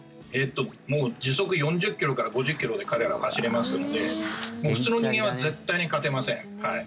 時速４０ｋｍから５０ｋｍで彼らは走れますので普通の人間は絶対に勝てません。